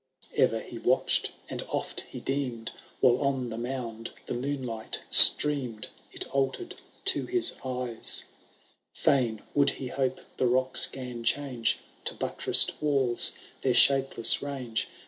III. Ever he wateh'd, and oft he deemM, While on the mound the moonlight streamed. It altered to his eyes ; Fain would he hope the rocks ^gan change To buttressed walls their shapeless range.